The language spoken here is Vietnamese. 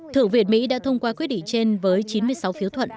thượng viện mỹ đã thông qua quyết định trên với chín mươi sáu phiếu thuận